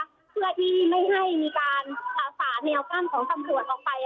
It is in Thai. นะคะเพื่อที่ไม่ให้มีการสาธารณ์แนวกล้ามของคำตรวจออกไป